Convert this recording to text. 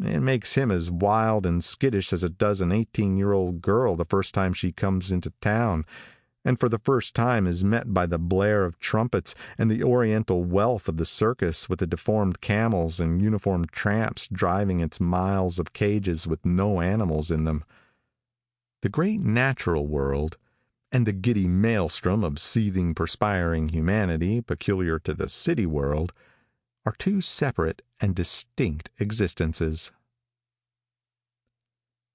It makes him as wild and skittish as it does an eighteen year old girl the first time she comes into town, and for the first time is met by the blare of trumpets, and the oriental wealth of the circus with its deformed camels and uniformed tramps driving its miles of cages with no animals in them. The great natural world and the giddy maelstrom of seething, perspiring humanity, peculiar to the city world, are two separate and distinct existences.